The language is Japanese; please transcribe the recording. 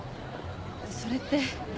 それって。